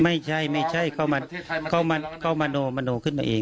ไม่ใช่ไม่ใช่เขามโนมโนขึ้นมาเอง